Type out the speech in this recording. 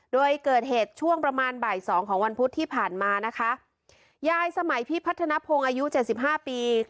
โดยเกิดเหตุช่วงประมาณบ่ายสองของวันพุธที่ผ่านมานะคะยายสมัยพี่พัฒนภงอายุเจ็ดสิบห้าปี